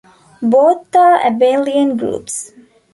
Both are abelian groups.